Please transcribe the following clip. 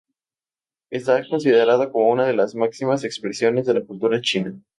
Está considerada como una de las máximas expresiones de la cultura de China.